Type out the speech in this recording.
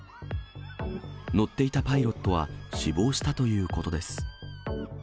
乗っていたパイロットは死亡したということです。